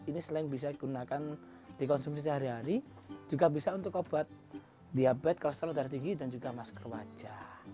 ini selain bisa digunakan di konsumsi sehari hari juga bisa untuk obat diabet kalau salah darah tinggi dan juga masker wajah